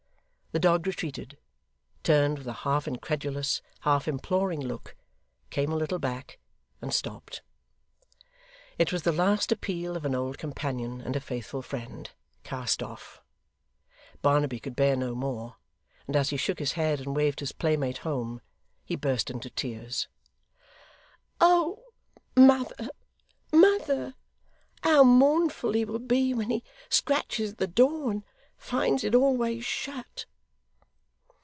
The dog retreated; turned with a half incredulous, half imploring look; came a little back; and stopped. It was the last appeal of an old companion and a faithful friend cast off. Barnaby could bear no more, and as he shook his head and waved his playmate home, he burst into tears. 'Oh mother, mother, how mournful he will be when he scratches at the door, and finds it always shut!